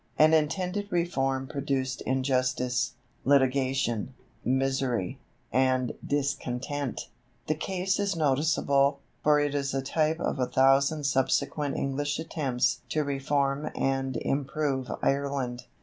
An intended reform produced injustice, litigation, misery, and discontent. The case is noticeable, for it is a type of a thousand subsequent English attempts to reform and improve Ireland."